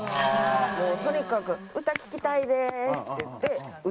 もうとにかく「歌聴きたいです」って言って歌入れて。